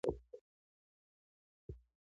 نن د دولت–ملت نظریه مقدس ښکاري.